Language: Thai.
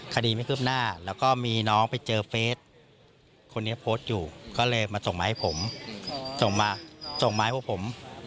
คดีไม่คืบหน้าแล้วก็มีน้องไปเจอเฟสคนนี้โพสต์อยู่ก็เลยมาส่งมาให้ผม